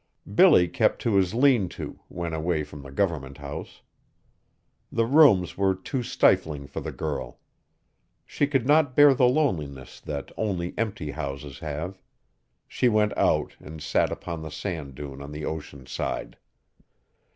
Billy kept to his lean to, when away from the government house. The rooms were too stifling for the girl. She could not bear the loneliness that only empty houses have; she went out and sat upon the sand dune on the ocean side.